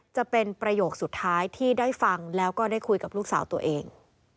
จะเป็นประโยคสุดท้ายที่ได้ฟังแล้วก็ได้คุยกับลูกสาวตัวเอง